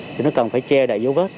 thì nó cần phải che đại dấu vết